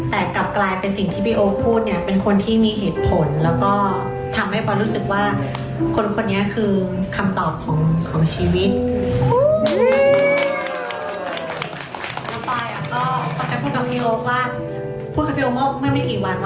แล้วปลอยคำแทนก่อนพูดกับพี่โอ๊คว่า